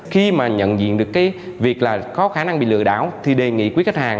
khi mà nhận diện được việc có khả năng bị lừa đảo thì đề nghị quý khách hàng